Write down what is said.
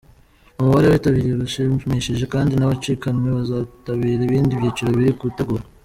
Umubare witabiriye urashimishije kandi n’abacikanwe bazitabira ibindi byiciro biri gutegurwa.